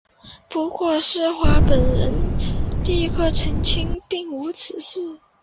不过施华本人立刻澄清并无此事。